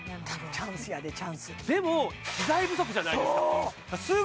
チャンスやでチャンスでも資材不足じゃないですかそう！